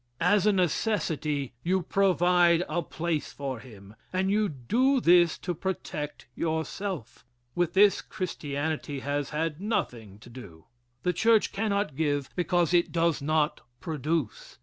As a necessity, you provide a place for him. And you do this to protect yourself. With this Christianity has had nothing to do. The church cannot give, because it does not produce.